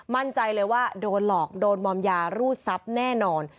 มั่นใจเลยว่าโดนหลอกโดนมอมยารูดทรัพย์แน่นอน